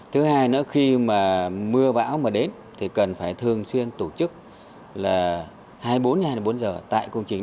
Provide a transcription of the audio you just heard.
thứ hai nữa khi mà mưa bão mà đến thì cần phải thường xuyên tổ chức là hai mươi bốn hai mươi bốn giờ tại công trình